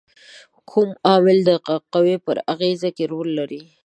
کوم عامل د قوې پر اغیزې کې رول لري؟